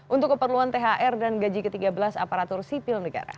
untuk keperluan thr dan gaji ke tiga belas aparatur sipil negara